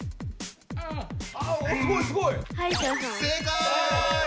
正解！